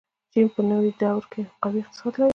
چین په نوې دور کې قوي اقتصاد لري.